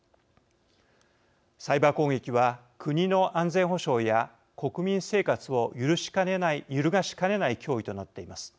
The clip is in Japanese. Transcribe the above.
サイバー攻撃は国の安全保障や国民生活を揺るがしかねない脅威となっています。